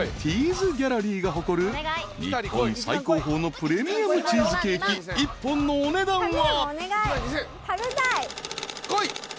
ｓＧＡＬＬＥＲＹが誇る日本最高峰のプレミアムチーズケーキ１本のお値段は］